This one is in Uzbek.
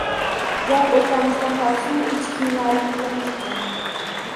Gap o`rtamizda qolsin-u, ich kiyimlarim bitlab ketgan